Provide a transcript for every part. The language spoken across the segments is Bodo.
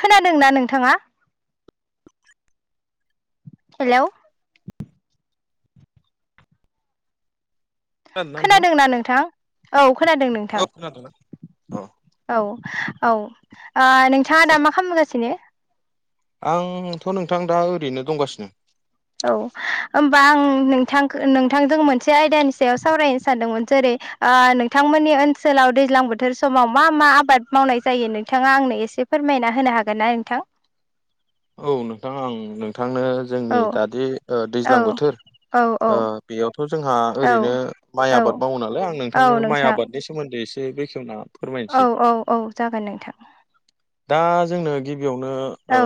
खोनादोंना नोंथाङा हेल' खोनादोंना नोंथां औ खोनादों नोंथां औ खोनादोंना औ औ औ ओ नोंथाङा दा मा खालामगासिनो? आंथ' नोंथां दा ओरैनो दंगासिनो औ होमबा आं नोंथां नोंथांजों मोनसे आयदानि सायाव सावरायनो सानदोंमोन जेरै ओ नोंथां मोननि ओनसोलाव दैज्लां बोथोर समाव मा मा आबाद मावनाय जायो? नोंथाङा आंनो एसे फोरमायना होनो हागोन हागोनना नोंथां? औ नोंथां आं नोंथांनो जोंनि औ दादि ओ दैज्लां औ बोथोर औ ओ बेयावथ' जोंहा औ ओरैनो माइ औ आबाद मावो नालाय आं औ नोंथांनो माइ नोंथां आबादनि सोमोन्दै ए से बेखेवना औ फोरमायनोसै औ औ जागोन नोंथां। दा जोंनो गिबियावनो ओ औ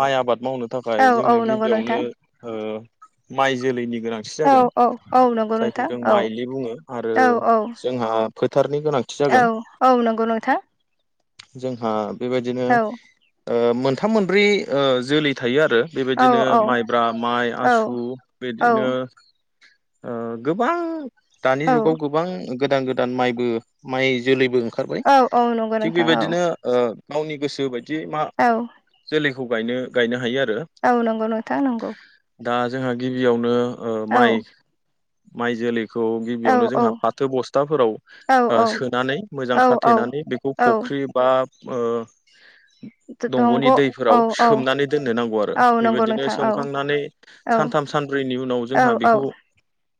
माइ आबाद मावनो थाखाय औ औ जोंनो नंगौ गिबियावनो नोंथां ओ माइ जोलैनि गोनांथि औ जागोन औ औ नंगौ जायखौ नोंथां जों औ माइलि बुङो आरो औ औ जोंहा हासारनि गोनांथि औ जागोन औ नंगौ नोंथां जोंहा बेबायदिनो औ ओ मोनथाम मोनब्रै ओ जोलै थायो आरो बो औ बेबायदिनो औ माइब्रा माइ, औ आसु औ बिदिनो ओ गोबां दानि औ जुगाव गोबां गोदान गोदान माइबो माइ जोलैबो ओंखारबाय। औ औ नंगौ थिग नोंथां औ बेबायदिनो ओ गावनि गोसो बायदि मा औ जोलैखौ गायनो गायनो हायो आ औ नंगौ नोंथा नंगौ। दा जोंहा गिबियावनो औ माइ-माइ जोलै खौ औ गिबियावनो औ जोंहा फाथो बस्थाफोराव औ ओ सोनानै मोजां औ औ खाथेनानै बेखौ फख औ फुख्रि बा ओ दंग' दंग'नि औ दैफोराव औ खोमनानै दोननो नांगौ आरो औ नंगौ बेबायदिनो नोंथां औ सोमखांनानै औ सानथाम सानब्रैनि उनाव औ औ जोंहा बेखौ [unintelligible]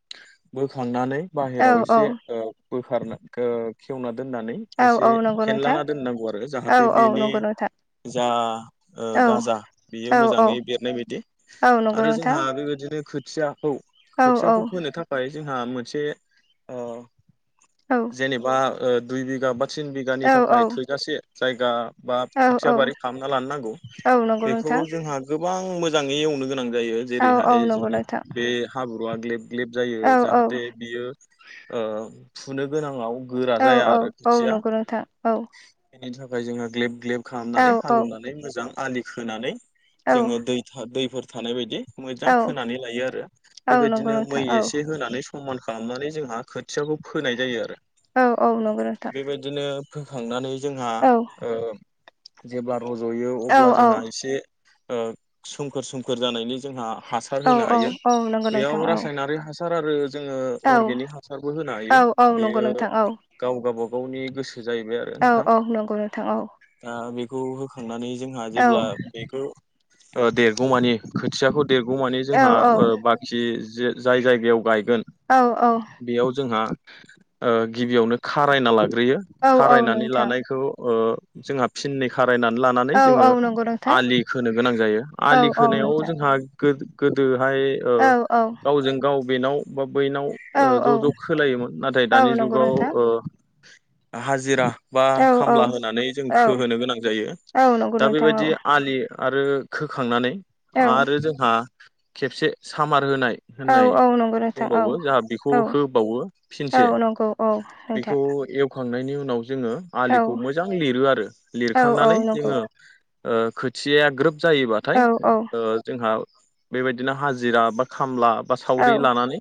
बोखांनानै बाहेराव एसे ओ बोखारना ओ खेवना दोननानै एसे औ नंगौ नोंथां फेनलाना दोननांगौ आरो औ जाहाथे औ बेनि नंगौ नोंथां जा औ गाजा बेयो औ औ मोजाङै बेरनाय बदि औ नंगौ आरो नोंथां जोंहा बेबायदिनो औ औ खोथियाखौ-खोथियाखौ फोनो थाखाय जोंहा मोनसे औ जेनेबा दुइ बिगा बा थिन बिगानि औ औ थाखाय थोजासे जायगा बा औ खोथिया बारि खालामना लानो नांगौ औ नंगौ बेखौ नोंथां। जोंहा गोबां मोजाङै एवनो गोनां जायो औ औ जेरैहाय नंगौ जों नोंथां बे हाब्रुवआ ग्लेब ग्लेब जायो औ औ जाहाथे बियो ओ फुनो गोनाङाव गोरा औ जाया आरो औ खोथिया नंगौ नोंथां औ बेनि थाखाय जोङो ग्लेब ग्लेब औ खालामनानै औ हालेवनानै मोजां आलि खोनानै औ जोङो दै दैफोर थानाय बायदि औ मोजां खोनानै लायो आरो औ नंगौ बेबायदिनो नोंथां मै औ एसे होनानै समान खालामनानै जोंहा खोथियाखौ फोनाय जायो आरो औ औ नंगौ नोंथां होखांनानै जोंहा औ ओ जेब्ला रज'यो औ अब्ला जोंहा एसे ओ सोमखोर सोमखोर जानायनि जोंहा हासार औ होनो हायो औ नंगौ नोंथां बेयाव औ रासायनारि हासार आरो जोङो औ अरगेनिक हासारबो होनो हायो औ औ नंगौ बेयो नोंथां औ गाव गावबागावनि गोसो जाहैबाय आरो औ नोंथां औ नंगौ नोंथां औ दा बेखौ होखांनानै जोंहा औ जेब्ला बेखौ ओ देर देरगौ मानि खोथियाखौ देरगौ मानि औ जोंहा बाखि जाय जायगायाव गाय गोन औ बेयाव जोंहा ओ गिबियावनो खारायना लाग्रोयो औ औ खारायनानै नोंथां लानायखौ ओ जोंहा फिननै खार खारायनानै लानानै औ औ जोङो नंगौ नोंथां आलि खोनो गोनां जायो औ आलि औ खोनायाव नोंथां जोंहा गोदोहाय ओ औ गावजों गाव बेनाव बा बैनाव औ ओ ज' औ ज' खोलायोमोन नाथाय औ दानि नंगौ जुगाव नोंथां ओ हाजिरा बा औ खामला होनानै जों औ खोहोनो गोनां जायो औ नंगौ दा नोंथां औ बेबायदि आलि आरो खोखांनानै औ आरो जोंहा खेबसे सामार होनाय होननाय औ औ नंगौ नोंथां औ दंबावो जोंहा बेखौ औ होबावो औ फिनसेखौ नंगौ औ बेखौ नोंथां एव खांनायनि उनाव जोङो आलिखौ औ मोजां लिरो आरो औ औ लिरखांनानै नंगौ जोङो ओ खोथियाया ग्रोब औ जायोबाथाय औ जोंहा बेबायदिनो हाजिरा बा खामला बा औ सावरि लानानै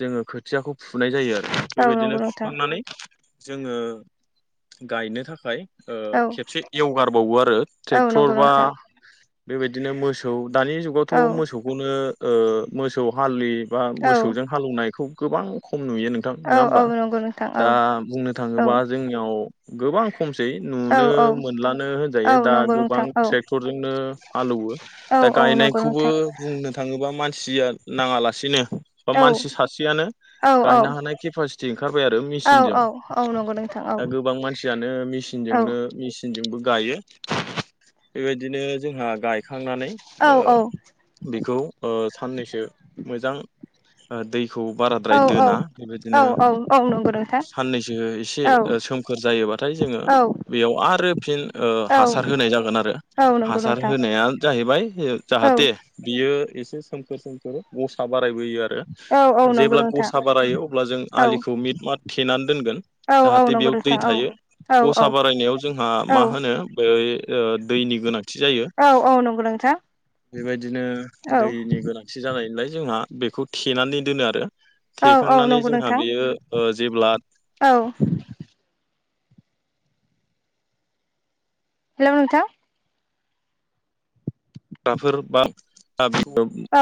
जोङो खोथियाखौ फुनाय जायो आरो औ बेबायदिनो नंगौ नोंथां फुखांनानै जोङो गायनो थाखाय ओ औ खेबसे एवगारबावो आरो औ नंगौ ट्रेक्टर बा नोंथां बेबायदिनो मोसौ दानि जुगावथ' औ मोसौखौनो ओ मोसौ हालि बा औ मोसौजों हालौवनायखौ गोबां खम नुयो नोंथां औ नङा औ होमबा नंगौ नोंथां औ दा बुंनो औ थाङोबा जोंनियाव गोबां खमसै औ नुनो औ मोनलानो औ होनजायो दा नंगौ गोबां नोंथां औ ट्रेक्टर जोंनो हालौवो औ दा औ नंगौ गायनायखौबो नोंथां बुंनो थाङोबा मान सिया नाङालासिनो बा औ मानसि सासेयानो औ गायनो हानाय केपासिटि ओंखारबाय आरो औ औ मेसिनजों औ नंगौ नोंथां औ दा गोबां मानसियानो औ मेसिनजोंनो मेसिनजोंबो गायो बेबायदिनो जोंहा गाय खांनानै औ ओ बेखौ ओ साननैसो मोजां दैखौ बाराद्राय औ दोना बेबायदिनो नंगौ नोंथां साननैसो एसे औ सोमखोर जायोबाथाय जोङो औ बेयाव आरो फिन ओ औ हासार होनाय जागोन आरो औ नंगौ नोंथां औ नंगौ हासार नोंथां होनाया जाहैबाय जाहाथे बियो एसे सोमखोर सोमखोर गसा बाराय यो औ औ आरो नंगौ जेब्ला नोंथां गसा बारायो अब्ला जों आलिखौ मिट मात थेनानै दोनगोन जाहाथे बेयाव दै औ थायो औ गसा बारायनायाव जोंहा मा होनो बै ओ दैनि गोनांथि जायो औ औ नंगौ नोंथां बेबायदिनो औ दैनि गोनांथि जानायलाय जोंहा बेखौ थेनानै दोनो आरो औ औ थेखांनानै नंगौ जोंहा नोंथां बेयो ओ जेब्ला औ हेलौ नोंथां क्राफोर्ड बा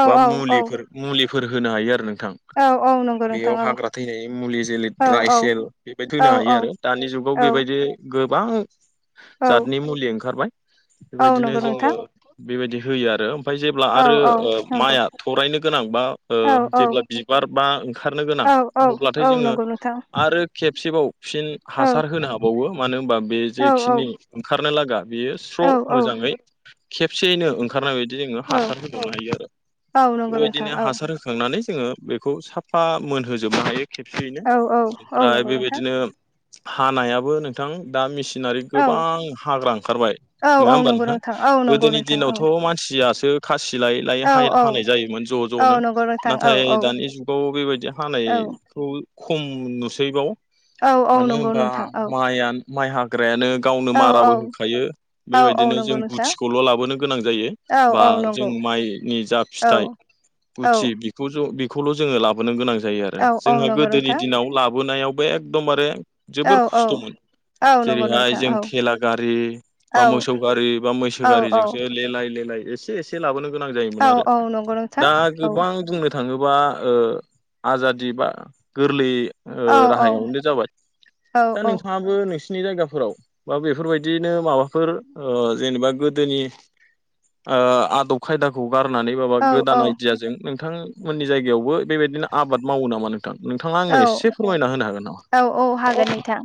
औ बा औ औ मुलिफोर मुलिफोर होनो हायो आरो नों औ औ। नंगौ नोंथां बेयाव औ हाग्रा थैनायनि मुलि जेरै औ ड्राय औ सेल बेबायदि औ होनो हायो औ आरो दानि जुगाव औ बेबायदि गोबां औ जातनि मुलि ओंखारबाय औ बेबायदिनो नंगौ जोङो नोंथां बेबायदि होयो आरो ओमफ्राय जेब्ला औ आरो औ नंगौ माइआ थरायनो गोनां बा औ जेब्ला बिबार बा खारनो गोनां औ अब्लाथाय औ जोङो नंगौ नोंथां आरो खेबसेबाव फिन औ हासार होनो हाबावो मानो होनबा बे औ जेखिनि ओंखारनो लागा बेयो औ स्र' औ मोजाङै [inaudible] सेयैनो ओंखारनाय बदि जोङो हासार होखांनो हायो आरो औ नंगौ बेबायदिनो नोंथां औ हासार होखांनानै जोङो बेखौ साफा मोनहोजोबनो हायो खेबसेयैनो औ औ नंगौ ओमफ्राय नोंथां बेबायदिनो हानायाबो नोंथां दा मिसिन नारि औ गोबां हाग्रा ओंखारबाय औ नङा औ होमबा नंगौ नोंथां औ नंगौ गोदोनि नोंथां औ दिनावथ' मानसिया खासि लायै लायै औ औ हानाय जायोमोन ज' औ ज'नो नंगौ नोंथां औ नाथाय दानि जुगाव बेबायदि हानाय औ खौ खम नुसैबाव औ औ मानो नंगौ होनबा नोंथां औ माइआ माइ हाग्रायानो गावनो औ माराबो होखायो औ औ बेबायदिनो नंगौ जों नोंथां ल' लाबोनो गोनां जायो औ बा औ जों नंगौ माइनि जा औ फिथाइ औ गुथि बेखौ बेखौल' जोङो लाबोनो गोनां जायो आरो औ औ जोंहा नंगौ गोदोनि नोंथां दिनाव लाबोनायावबो एकदमबारे औ जोबोर औ खस्थ'मोन। औ नंगौ जेरैहाय नोंथां जों औ थेला गारि बा औ मोसौ गारि बा मैसो औ औ गारिजोंसो लेलाय लेलाय एसे एसे लाबोनो गोनां जायोमोन औ आरो औ नंगौ नोंथां दा औ गोबां बुंनो थाङोबा ओ आजादि बा गोरलै ओ औ औ राहायावनो जाबाय औ दा औ नोंथाङाबो नोंसि नि जायगाफोराव बा बेफोरबायदिनो माबाफोर ओ जेनेबा गो दोनि ओ आदब खायदाखौ गारनानै बाबा औ गोदान औ आइडियाजों नों थांमोननि जायगायावबो बेबायदिनो आबाद मावो नामा नों औ औ औ हागोन नोंथां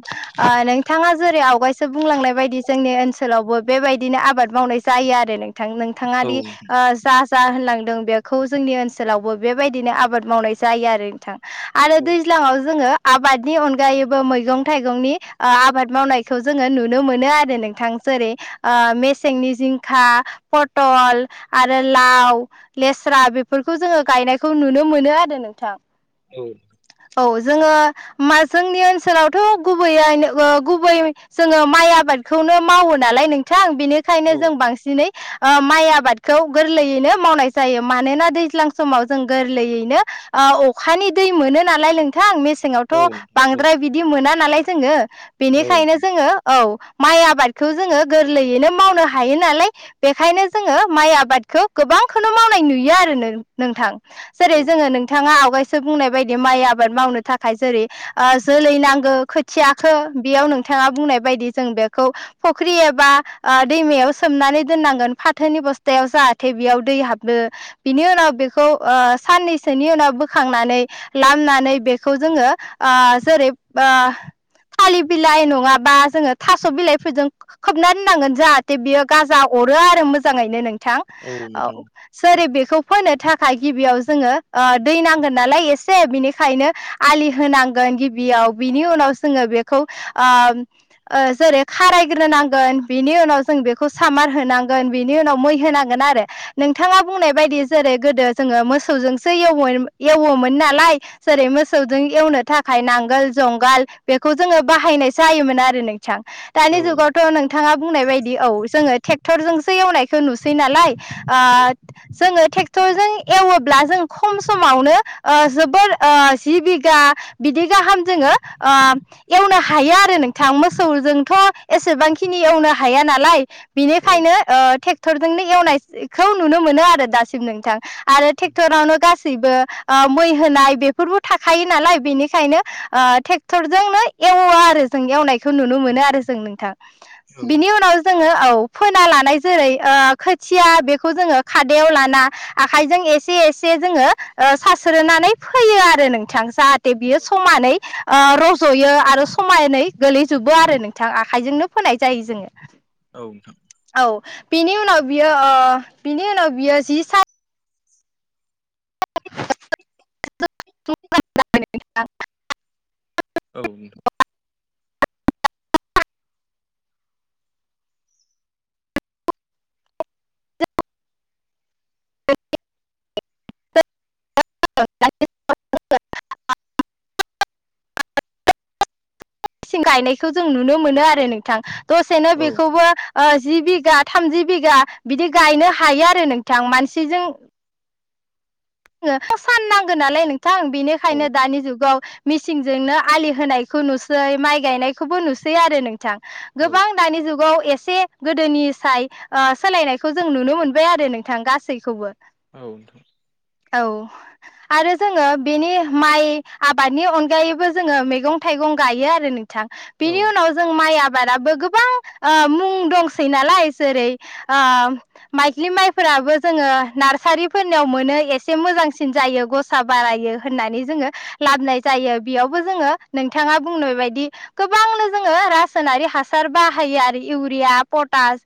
ओ नोंथाङा जेरै आवगायसो बुंलांनाय बायदि जोंनि ओनसोलावबो बेबायदिनो आबाद मावनाय जायो आरो नों नोंथाङा औ दि ओ जा जा होनलांदों बेखौ जोंनि ओनसोलावबो बेबायदिनो आबाद मावनाय जायो आरो नोंथां। आरो नोंथां दैज्लाङाव जोङो आबादनि अनगायैबो मैगं थाइगंनि ओ आबाद मावनायखौ जोङो नुनो मोनो आरो नोंथां जेरै ओ मेसेंनि जिंखा पथल आरो लाव ले स्रा बेफोरखौ जोङो गायनायखौ नुनो मोनो आरो नोंथां। औ। जोङो जोंनि ओनसोलावथ' गुबैयै गुबै जोङो माइ आबाद खौनो मावो नालाय नोंथां बेनिखायनो औ जों बांसिनै ओ माइ आबादखौ गोरलैयैनो मावनाय जायो मानोना दैज्लां समाव जों गोरलैयैनो ओ अखानि दै मोनो नालाय नोंथां औ मेसेंआवथ' औ बांद्राय बिदि मोना नालाय जोङो बेनिखायनो जोङो औ माइ आबादखौ जोङो गोरलैयैनो मावनो हायो नालाय बेखायनो जोङो माइ आबादखौ गोबां- गोबांखौनो मावनाय नुयो आरो नोंथां जेरै औ नोंथां औ जोङो नोंथाङा आवगायसो बुंनाय बायद दि माइ आबाद मावनो थाखाय ओ जेरै जोलै नांगौ खोथियाखो बेयाव नोंथाङा बुंनाय ब बायदि जों बेखौ फुख्रि एबा दैमायाव सोमनानै दोननांगोन फाथोनि बस्थायाव जा जाहाथे बेयाव दै हाबनो बिनि उनाव बेखौ ओ साननैसोनि उनाव बोखांनानै लामनानै बेखौ जोङो ओ जेरैब ओ थालिर बिलाइ नङाबा जोङो थास' बिलाइफोरजों खोबना दोननांगोन जाहाथे बियो गाजा अ हरो आरो मोजाङैनो नोंथां औ सोर बेखौ फोनो थाखाय गिबियाव जोङो ओ दै नांगोन नालाय एस से बिनिखायनो आलि होनांगोन गिबियाव बिनि उनाव जोङो बेखौ ओ जेरै खारायग्रोनांगोन बिनि उनाव जों बेखौ सामार होनांगोन बिनि उनाव मै होनांगोन आरो नोंथाङा औ बुंनाय बायदि जेरै गोदो जोङो मोसौजोंसो एवोमोन ना जेरै मोसौजों एवनो थाखाय नांगोल जुंगाल बेखौ जोङो बाहायनाय जोायोमोन आरो नों दानि जुगावथ' नोंथाङा बुंनाय बायदि औ जोङो ट्रेक्टरजोंसो एवनायखौ नुसै नालाय जोङो ट्रेक्टरजों एवोब्ला जों खम समावनो जोब जि बिगा बिदि गाहाम जोङो एवनो हायो आरो नोंथां मो मोसौ जोंथ' एसेबांखिनि एवनो हाया नालाय औ बेनिखायनो ट्रेक्टरजोंनो एवनायखौ नुनो मोनो आरो दासिम नोंथां आरो ट्रेक्टरावनो गासैबो मै होनाय बेफोरबो थाखायो नालाय बेनिखायनो ट्रेक्टरजोंनो एवा आरो जों एवनाय बेखौ नुनो मोनो आरो जों नोंथां बिनि उनाव जोङो औ फोना लानाय जेरै खोथिया बेखौ जोङो खादायाव लाना आखाइजों एसे एसे जोङो सास्रोनानै फैयो आरो नोंथां जाहाथे बियो समानै रज'यो आरो समायानै गोलैजोबो आरो नोंथां आखाइजोंनो फोनाय जायो जोङो औ नोंथां औ बिनि उनाव बियो बिनि उनाव बियो जि स [unintelligible] [unintelligible] औ [unintelligible] गायनायखौ जों नुनो मोनो आरो नोंथां दसेनो बेखौबो जि बिगा थामजि बिघा बिदि गायनो हायो आरो नोंथां मानसिजों सान नांगौ नालाय नोंथां बेनिखायनो दानि जुगाव मिसिंजोंनो आलि होनायखौ नुसै माइ गायनायखौबो नुसै आरो नोंथां गोबां दानि जुगाव एसे गोदोनि साय सोलायनायखौ जों नुनो मोनबाय आरो नोंथां गासैखौबो औ औ आरो जोङो बेनि माइ आबादनि अनगायैबो जोङो मैगं थाइगं गायो आरो बिनि उनाव जों माइ आबादाबो गोबां मुं दंसै नालाय जेरै माइग्लि माइफोराबो जो नार्सारिफोरनियाव मोनो एस एसे मोजांसिन जायो गसा बारायो होननानै जोङो लाबोनाय जायो बेयावबो जोङो नोंथां बुंनाय बायदि गोबांनो जोङो रासायनारि हासार बाहायो आरो इउरिया पटास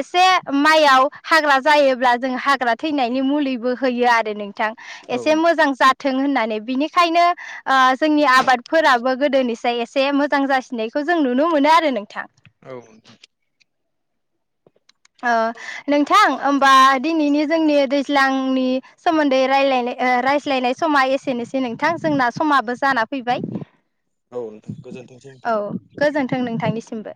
एसे माइयाव हाग्रा जायोब्ला जों हाग्रा थैनायनि मुलिबो होयो आरो नोंथां औ एसे मोजां जाथों होननानै बिनिखायनो जोंनि आब आबादफोराबो गोदोनिफ्रायाय एसे मोजां जासिनायखौ जों नुनो मोनो आरो नोंथां औ नोंथां होमबा दिनैनि जोंनि दैज्लांनि सोमोन्दै रायज्लायनाय रायज्लायनाय समा एसेनोसै नोंथां जोंना समाबो जाना फैबाय औ नोंथां गोजोनथोंसै नोंथां औ गोजोन्थों नोंथांनिसिमबो